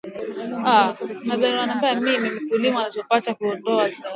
mkulima anapochakata viazilishe Kuondoa sumu katika viazi